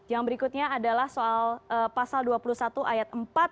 yang berikutnya adalah soal pasal dua puluh satu ayat empat